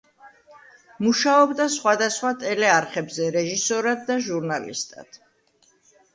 მუშაობდა სხვადასხვა ტელეარხებზე რეჟისორად და ჟურნალისტად.